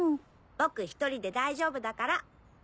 僕１人で大丈夫だから。